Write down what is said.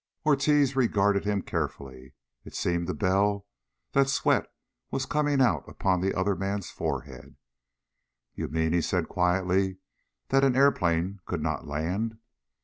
Ortiz regarded him carefully. It seemed to Bell that sweat was coming out upon the other man's forehead. "You mean," he said quietly, "that an airplane could not land?"